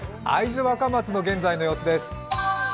会津若松の現在の様子です。